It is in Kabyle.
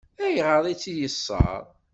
Ayɣer i tt-yeṣṣeṛ?